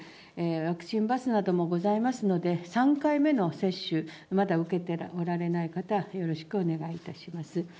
ワクチンバスなどもございますので、３回目の接種、まだ受けておられない方、よろしくお願いいたします。